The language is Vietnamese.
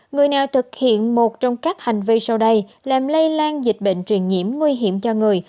người nào thực hiện một trong các hành vi sau đây làm lây lan dịch bệnh truyền nhiễm nguy hiểm cho người